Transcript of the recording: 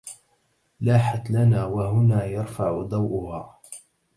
لاحت لنا وهنا يرفع ضوءها